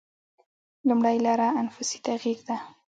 لومړۍ لاره انفسي تغییر ده.